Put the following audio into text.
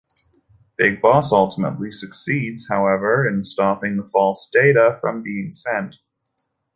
Big Boss ultimately succeeds, however, in stopping the false data from being sent.